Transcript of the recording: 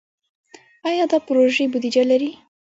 آیا دا پروژې بودیجه لري؟